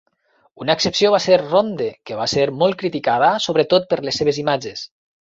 Una excepció va ser "Ronde", que va ser molt criticada, sobretot, per les seves imatges.